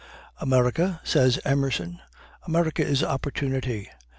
"America," says Emerson, "America is Opportunity."